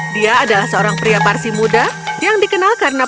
dia adalah seorang pria parsi muda yang dikenalkan sebagai